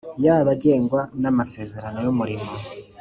yaba agengwa na masezerano y’umurimo